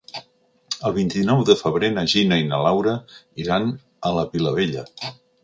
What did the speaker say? El vint-i-nou de febrer na Gina i na Laura iran a la Vilavella.